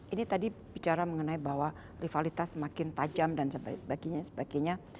ini tadi bicara mengenai bahwa rivalitas semakin tajam dan sebagainya sebagainya